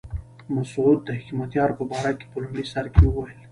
مسعود د حکمتیار په باره کې په لومړي سر کې وویل.